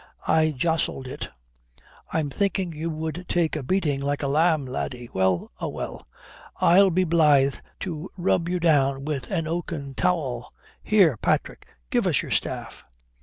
I jaloused it. I'm thinking you would take a beating like a lamb, laddie. Well a well. I'll be blithe to rub you down with an oaken towel. Here, Patrick, give us your staff."